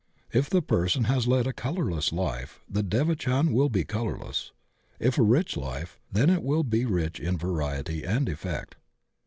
If the person has led a colorless life the devachan will be colorless; if a rich life, then it will be rich in variety and effect.